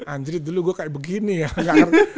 andri dulu gue kayak begini ya